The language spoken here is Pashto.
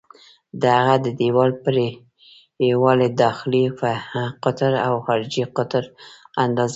د هغه د دیوال پرېړوالی، داخلي قطر او خارجي قطر اندازه کړئ.